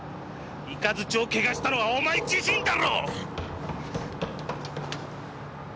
イカズチを汚したのはお前自身だろ！